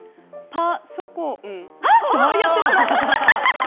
パンソコあっやってしまった。